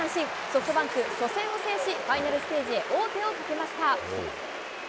ソフトバンク、初戦を制し、ファイナルステージへ王手をかけました。